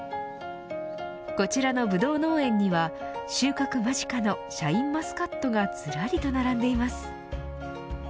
こちらのブドウ農園には収穫間近のシャインマスカットがずらりと並んでいます。